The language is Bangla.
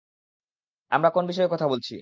আমরা কোন বিষয়ে কথা বলছি?